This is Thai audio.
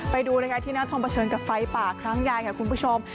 ไปดูเลยค่ะที่นั่นทอมเผชิญกับไฟป่าครั้งยายค่ะคุณผู้ชม